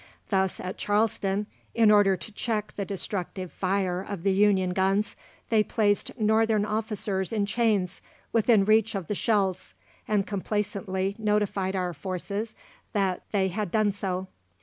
Thus at Charleston, in order to check the destructive fire of the Union guns, they placed Northern officers in chains within reach of the shells, and complacently notified our forces that they had done so.